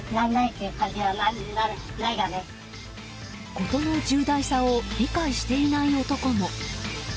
事の重大さを理解していない男も。